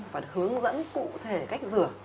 và hướng dẫn cụ thể cách rửa